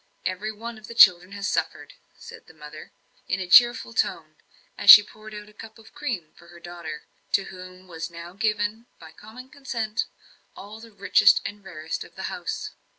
Every one of the children has suffered," said the mother, in a cheerful tone, as she poured out a cup of cream for her daughter, to whom was now given, by common consent, all the richest and rarest of the house.